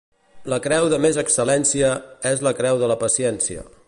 La creu de més excel·lència és la creu de la paciència.